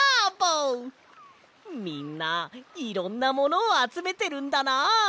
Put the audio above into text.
みんないろんなものをあつめてるんだな！